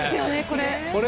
これ。